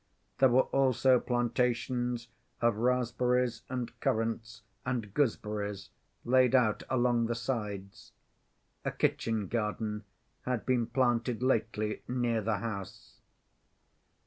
There were also plantations of raspberries and currants and gooseberries laid out along the sides; a kitchen garden had been planted lately near the house.